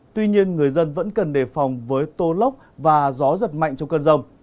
tuy nhiên người dân vẫn cần đề phòng với tô lốc và gió giật mạnh trong cơn rông